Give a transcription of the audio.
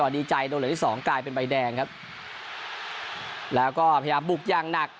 ดีใจโดนเหลืองที่สองกลายเป็นใบแดงครับแล้วก็พยายามบุกอย่างหนัก